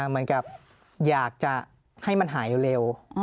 เหมือนกับอยากจะให้มันหายเร็ว